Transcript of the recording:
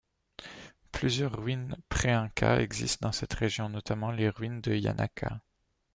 Plusieurs ruines préincas existent dans cette région, notamment les ruines de Yanaca.